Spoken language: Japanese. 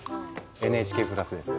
ＮＨＫプラスです。